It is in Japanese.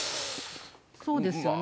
そうですよね。